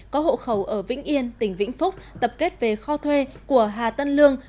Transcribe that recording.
có hộ khẩu ở vĩnh yên tỉnh vĩnh phúc tập kết về kho thuê của hà tân lương